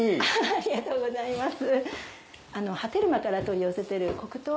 ありがとうございます。